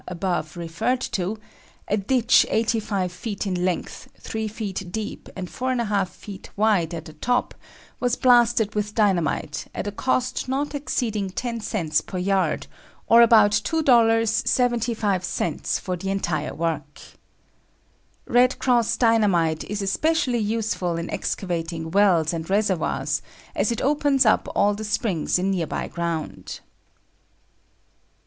above referred to, a ditch 85 feet in length, 3 feet deep and 4 1/2 feet wide at the top, was blasted with dynamite, at a cost not exceeding 10 cents per yard, or about $2.75 for the entire work. "Red Cross" Dynamite is especially useful in excavating wells and reservoirs, as it opens up all the springs in nearby ground.